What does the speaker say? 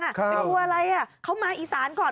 ไม่กลัวอะไรเขามาอีสานก่อน